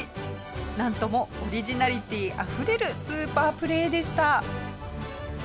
なんともオリジナリティーあふれるスーパープレーでした。